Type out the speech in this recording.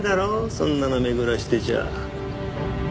そんなの巡らせてちゃ。